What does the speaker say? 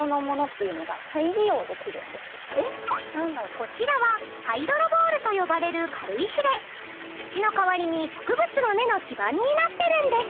［こちらはハイドロボールと呼ばれる軽石で土の代わりに植物の根の基盤になってるんです］